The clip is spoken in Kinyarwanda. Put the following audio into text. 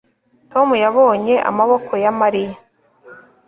Tom yabonye amaboko ya Mariya